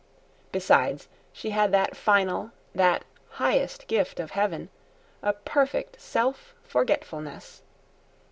Besides, she had that final, that highest gift of heaven, a perfect self forgetfulness.